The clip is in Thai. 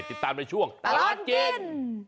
ติดตามในช่วงตลอดกิน